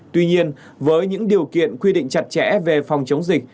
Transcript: tuy nhiên với những điều kiện quy định chặt chẽ về phòng chống dịch